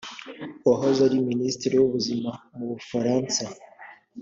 wahoze ari Minisitiri w’Ubuzima mu Bufaransa